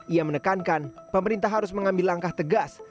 ia menekankan pemerintah harus mengambil langkah tegas